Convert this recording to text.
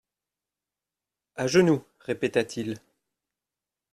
À genoux, répéta-t-il.